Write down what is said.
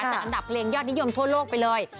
จัดอันดับเพลงยอดนิยมทั่วโลกไปเลย